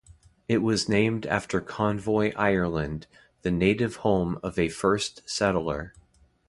It was named after Convoy, Ireland, the native home of a first settler.